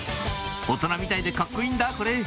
「大人みたいでカッコいいんだこれ」